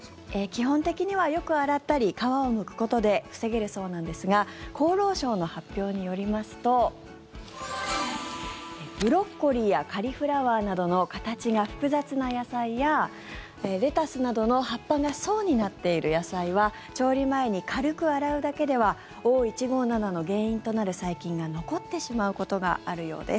基本的にはよく洗ったり、皮をむくことで防げるそうなんですが厚労省の発表によりますとブロッコリーやカリフラワーなどの形が複雑な野菜やレタスなどの葉っぱが層になっている野菜は調理前に軽く洗うだけではＯ−１５７の原因となる細菌が残ってしまうことがあるようです。